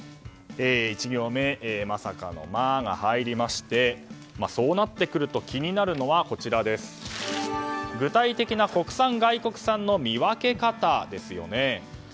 １行目、まさか！の「マ」が入りましてそうなってくると気になるのは具体的な国産、外国産の見分け方ですよね。